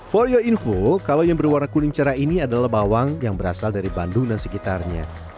for your info kalau yang berwarna kuning cerah ini adalah bawang yang berasal dari bandung dan sekitarnya